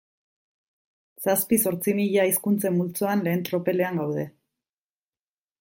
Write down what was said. Zazpi-zortzi mila hizkuntzen multzoan lehen tropelean gaude.